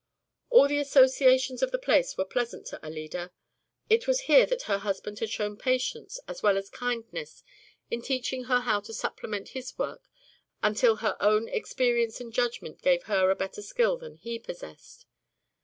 All the associations of the place were pleasant to Alida. It was here that her husband had shown patience as well as kindness in teaching her how to supplement his work until her own experience and judgment gave her a better skill than he possessed.